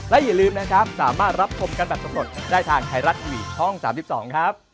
และอย่าลืมนะครับสามารถรับชมกันแบบสำรวจได้ทางไทยรัฐทีวีช่อง๓๒ครับ